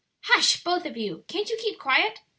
"Hush, both of you! can't you keep quiet?"